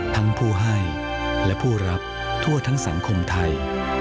ทั้งผู้ภาษี่และผู้รัฐวะทั่วภาคมไทย